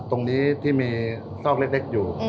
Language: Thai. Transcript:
ตรงนี้ที่มีซอกเล็กอยู่